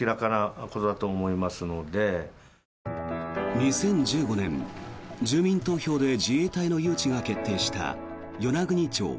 ２０１５年、住民投票で自衛隊の誘致が決定した与那国町。